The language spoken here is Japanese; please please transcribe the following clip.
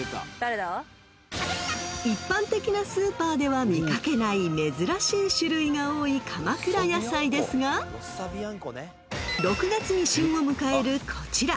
［一般的なスーパーでは見掛けない珍しい種類が多い鎌倉野菜ですが６月に旬を迎えるこちら］